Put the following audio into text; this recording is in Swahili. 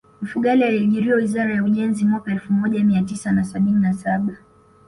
Mfugale aliajiriwa wizara ya ujenzi mwaka elfu moja mia tisa na sabini na saba